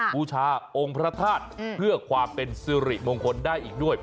บูชาองค์พระธาตุเพื่อความเป็นสิริมงคลได้อีกด้วย